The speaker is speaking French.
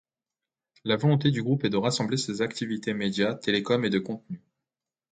La volonté du groupe est de rassembler ses activités média, télécoms et de contenu.